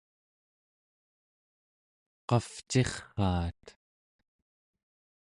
qavcirraat